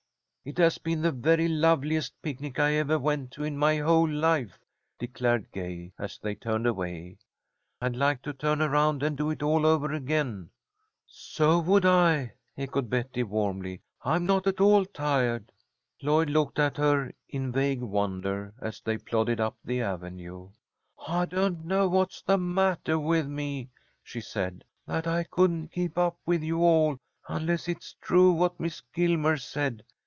"It has been the very loveliest picnic I ever went to in my whole life," declared Gay, as they turned away. "I'd like to turn around and do it all over again." "So would I," echoed Betty, warmly. "I'm not at all tired." Lloyd looked at her in vague wonder as they plodded up the avenue. "I don't know what's the mattah with me," she said, "that I couldn't keep up with you all, unless it's true what Miss Gilmer said.